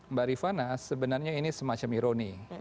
mbak rifana sebenarnya ini semacam ironi